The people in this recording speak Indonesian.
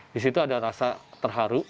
di situ ada rasa terharu